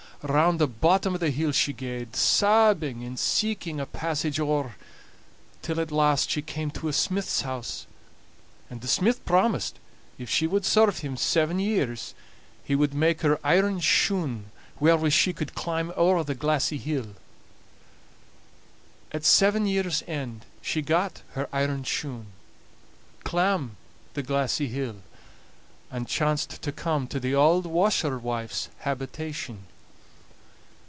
Round the bottom o' the hill she gaed, sabbing and seeking a passage owre, till at last she came to a smith's house; and the smith promised, if she wad serve him seven years, he wad make her iron shoon, wherewi' she could climb owre the glassy hill. At seven years' end she got her iron shoon, clamb the glassy hill, and chanced to come to the auld washerwife's habitation.